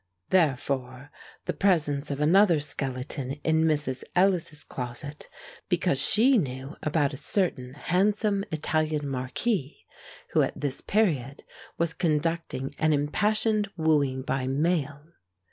Therefore the presence of another skeleton in Mrs. Ellis's closet, because she knew about a certain handsome Italian marquis who at this period was conducting an impassioned wooing by mail.